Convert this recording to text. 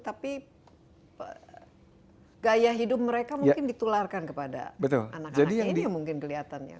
tapi gaya hidup mereka mungkin ditularkan kepada anak anaknya ini yang mungkin kelihatannya